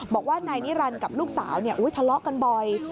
บอกว่านายนิรันดิ์กับลูกสาวทะเลาะกันบ่อย